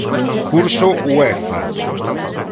Curso UEFA.